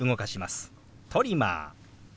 「トリマー」。